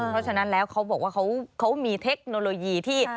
เพราะฉะนั้นแล้วเขาบอกว่าเขามีเทคโนโลยีที่